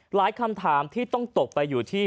คำถามที่ต้องตกไปอยู่ที่